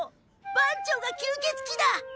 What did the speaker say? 番長が吸ケツ鬼だ！